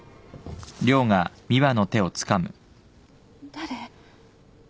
誰？